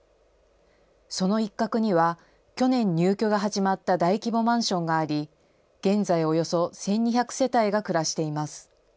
その一角には、去年入居が始まった大規模マンションがあり、現在、およそ１２００世帯が暮らしています。